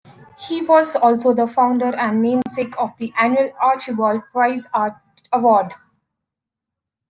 He was also the founder and namesake of the annual Archibald Prize art award.